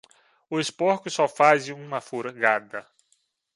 Os porcos só fazem uma furgada.